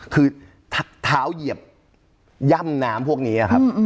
คือเท้าเหยียบย่ำน้ำพวกนี้ครับ